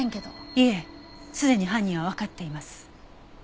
いえすでに犯人はわかっています。